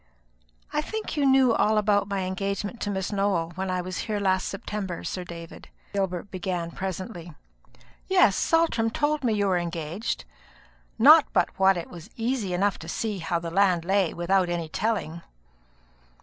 "I think you knew all about my engagement to Miss Nowell, when I was here last September, Sir David," Gilbert began presently. "Yes, Saltram told me you were engaged; not but what it was easy enough to see how the land lay, without any telling."